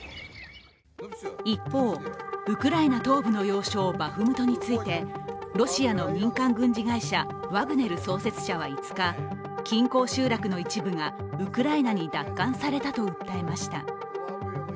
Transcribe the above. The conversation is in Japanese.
一方、ウクライナ東部の要衝バフムトについてロシアの民間軍事会社ワグネル創設者は５日、近郊集落の一部がウクライナに奪還されたと訴えました。